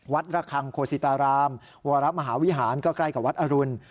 ระคังโคสิตารามวรมหาวิหารก็ใกล้กับวัดอรุณ